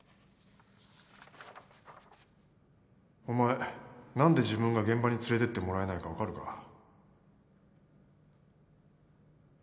お前何で自分が現場に連れてってもらえないか分かるか？